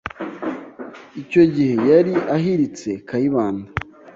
icyo gihe yari ahiritse Kayibanda.